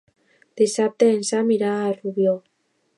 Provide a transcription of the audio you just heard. Dissabte en Sam irà a Rubió.